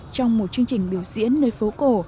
trong một chương trình biểu diễn nơi phố cổ